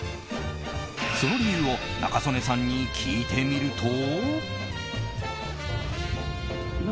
その理由を仲宗根さんに聞いてみると。